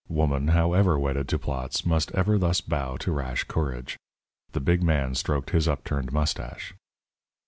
Woman, however wedded to plots, must ever thus bow to rash courage. The big man stroked his upturned moustache.